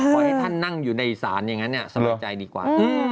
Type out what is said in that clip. ให้ท่านนั่งอยู่ในศาลอย่างนั้นสบายใจดีกว่า